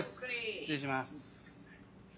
失礼します。